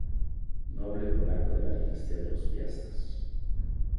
Noble polaco de la dinastía de los Piastas.